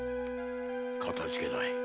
かたじけない。